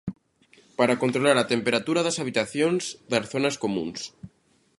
Para controlar a temperatura das habitacións, das zonas comúns...